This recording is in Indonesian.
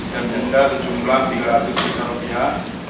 dan denda sejumlah tiga ratus juta rupiah